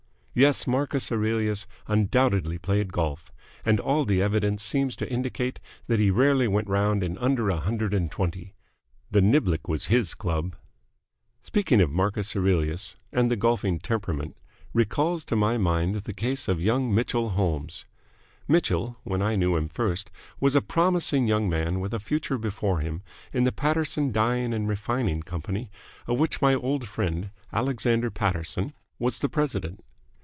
Yes, Marcus Aurelius undoubtedly played golf, and all the evidence seems to indicate that he rarely went round in under a hundred and twenty. The niblick was his club. Speaking of Marcus Aurelius and the golfing temperament recalls to my mind the case of young Mitchell Holmes. Mitchell, when I knew him first, was a promising young man with a future before him in the Paterson Dyeing and Refining Company, of which my old friend, Alexander Paterson, was the president.